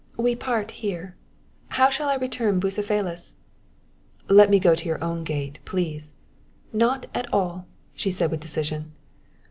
"We part here. How shall I return Bucephalus?" "Let me go to your own gate, please!" "Not at all!" she said with decision.